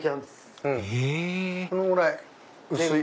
へぇそのぐらい薄い。